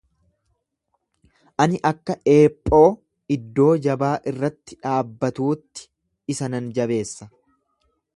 Ani akka eephoo iddoo jabaa irratti dhaabbatuutti isa nan jabeessa.